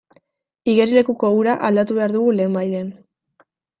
Igerilekuko ura aldatu behar dugu lehenbailehen.